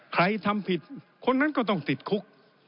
ใครทำผิดคนนั้นก็ต้องติดคุก